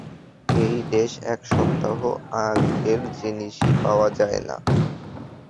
এই দেশে এক সপ্তাহ আগের জিনিসই পাওয়া যায় না।